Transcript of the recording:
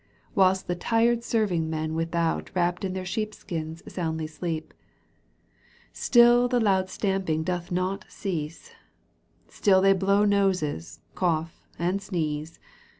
Whilst the tired serving men without Wrapped in their sheepskins soundly sleep. StiU the loud stamping doth not cease. Still they blow noses, cough, and sneeze.